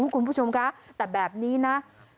คุณผู้ชมคะแต่แบบนี้นะ